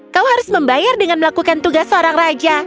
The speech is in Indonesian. kau harus membayar dengan melakukan tugas seorang raja